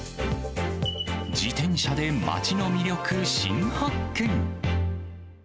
自転車で街の魅力新発見！